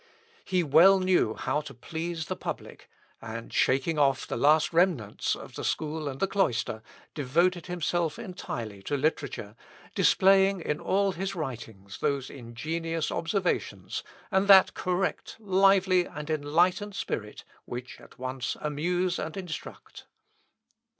He well knew how to please the public, and shaking off the last remnants of the school and the cloister, devoted himself entirely to literature, displaying in all his writings those ingenious observations, and that correct, lively, and enlightened spirit, which at once amuse and instruct.